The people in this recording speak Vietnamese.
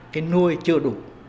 cái nuôi chưa đủ